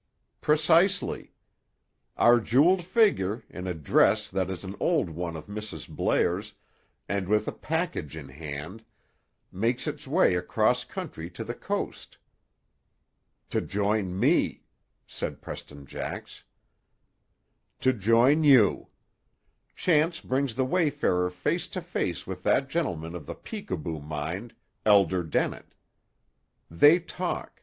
"Precisely. Our jeweled figure, in a dress that is an old one of Mrs. Blair's, and with a package in hand, makes its way across country to the coast." "To join me," said Preston Jax. "To join you. Chance brings the wayfarer face to face with that gentleman of the peekaboo mind, Elder Dennett. They talk.